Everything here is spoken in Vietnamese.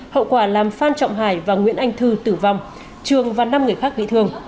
hậu quả làm phan trọng hải và nguyễn anh thư tử vong trường và năm người khác bị thương